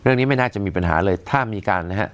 เรื่องนี้ไม่น่าจะมีปัญหาเลยถ้ามีการนะฮะ